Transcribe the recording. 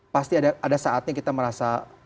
pasti ada saatnya kita merasa